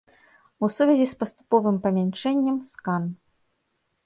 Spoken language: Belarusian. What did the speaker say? У сувязі з паступовым памяншэннем, з кан.